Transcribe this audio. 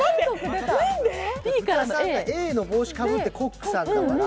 豚さんがＡの帽子かぶってコックさんだから。